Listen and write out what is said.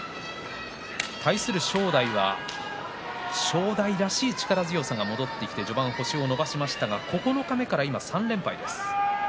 対する正代は正代らしい力強さが戻ってきて序盤、星を伸ばしましたが九日目から今３連敗です。